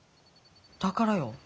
だからよ。